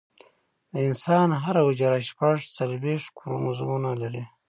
د انسان هره حجره شپږ څلوېښت کروموزومونه لري